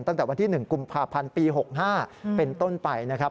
ตั้งแต่วันที่๑กุมภาพันธ์ปี๖๕เป็นต้นไปนะครับ